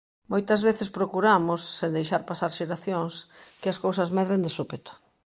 Moitas veces procuramos, sen deixar pasar xeracións, que as cousas medren de súpeto.